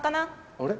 あれ？